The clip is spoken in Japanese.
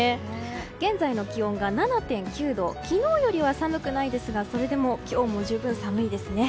現在の気温が７．９度昨日よりは寒くはないですがそれでも今日も十分寒いですね。